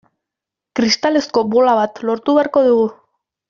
Kristalezko bola bat lortu beharko dugu.